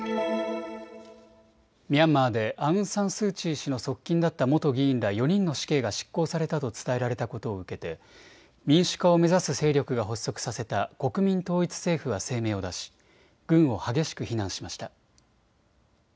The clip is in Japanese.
ミャンマーでアウン・サン・スー・チー氏の側近だった元議員ら４人の死刑が執行されたと伝えられたことを受けて民主化を目指す勢力が発足させた国民統一政府は声明を出し軍を激しく非難しました。